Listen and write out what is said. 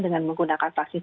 dengan menggunakan vaksin